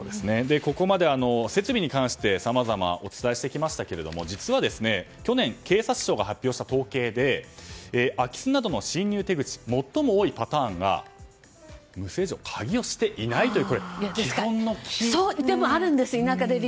ここまで設備に関してさまざま、お伝えしてきましたが実は去年警察庁が発表した統計で空き巣などの侵入手口最も多いパターンが無施錠、鍵をしていないという声。